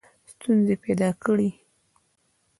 ستونزي پیدا کړې.